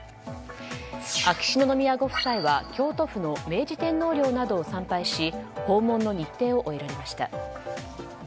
秋篠宮ご夫妻は京都府の明治天皇陵などを参拝し訪問の日程を終えられました。